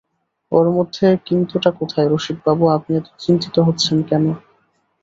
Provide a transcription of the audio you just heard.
ওর মধ্যে কিন্তুটা কোথায় রসিকবাবু, আপনি অত চিন্তিত হচ্ছেন কেন?